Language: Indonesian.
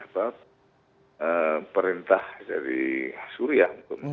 dari perintah dari suria